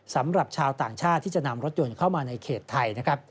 สำหรับชาวต่างชาติที่จะนำรถยนต์เข้ามาในเขตไทยนะครับ